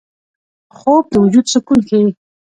خوب د وجود سکون ښيي